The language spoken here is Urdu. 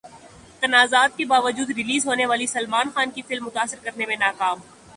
تنازعات کے باوجود ریلیز ہونے والی سلمان کی فلم متاثر کرنے میں ناکام